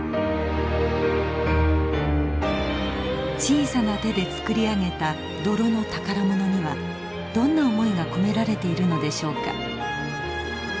小さな手で作り上げた泥の宝物にはどんな思いが込められているのでしょうか。